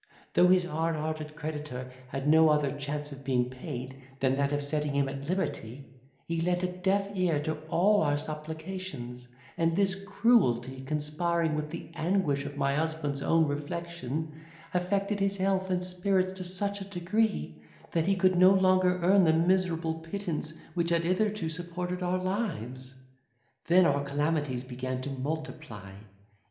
Though his hard hearted creditor had no other chance of being paid, than that of setting him at liberty, he lent a deaf ear to all our supplications; and this cruelty conspiring with the anguish of my husband's own reflection, affected his health and spirits to such a degree, that he could no longer earn the miserable pittance which had hitherto supported our lives. Then our calamities began to multiply.